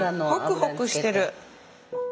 ホクホクしてる！